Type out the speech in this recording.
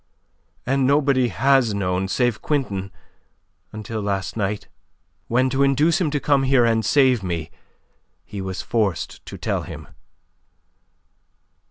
And nobody has known save Quintin until last night, when to induce him to come here and save me he was forced to tell him."